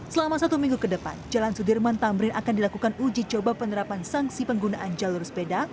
selama satu minggu ke depan jalan sudirman tamrin akan dilakukan uji coba penerapan sanksi penggunaan jalur sepeda